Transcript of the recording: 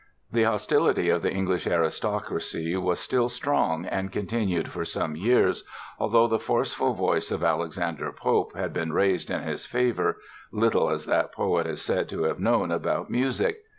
The hostility of the English aristocracy was still strong and continued for some years, although the forceful voice of Alexander Pope had been raised in his favor, little as that poet is said to have known about music.